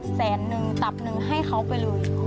แสนนึงตับหนึ่งให้เขาไปเลย